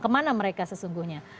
kemana mereka sesungguhnya